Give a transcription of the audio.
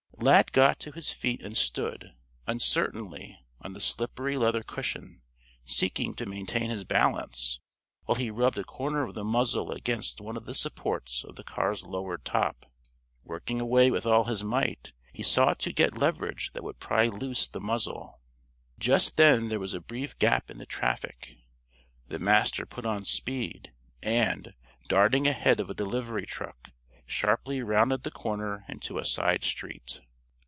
Lad got to his feet and stood, uncertainly, on the slippery leather cushion, seeking to maintain his balance, while he rubbed a corner of the muzzle against one of the supports of the car's lowered top. Working away with all his might, he sought to get leverage that would pry loose the muzzle. Just then there was a brief gap in the traffic. The Master put on speed, and, darting ahead of a delivery truck, sharply rounded the corner into a side street.